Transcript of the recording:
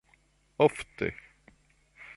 Ofte?